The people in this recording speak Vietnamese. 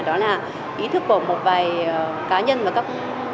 đó là ý thức của một vài cá nhân và các công ty